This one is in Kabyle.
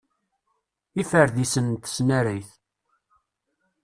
Iferdisen n tesnarrayt.